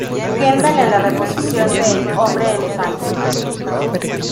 Kendal en la reposición de "El hombre elefante".